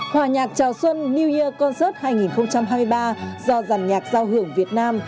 hòa nhạc chào xuân new year concert hai nghìn hai mươi ba do giàn nhạc giao hưởng việt nam